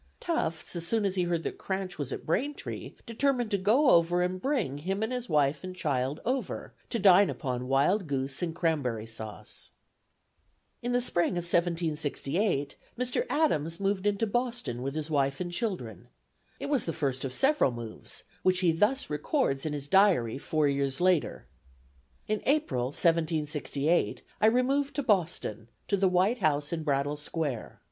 Tufts, as soon as he heard that Cranch was at Braintree, determined to go over and bring him and wife and child over, to dine upon wild goose, and cranberry sauce." In the spring of 1768, Mr. Adams moved into Boston with his wife and children. It was the first of several moves, which he thus records in his diary four years later: "In April, 1768, I removed to Boston, to the white house in Brattle Square.